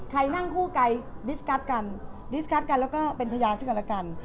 ใครนั่งคู่ไกลดิสกัสกันดิสกัสกันแล้วก็เป็นพยานซึ่งกันแล้วกัน